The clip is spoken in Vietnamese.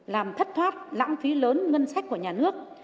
làm thất thoát lãng phí lớn ngân sách của nhà nước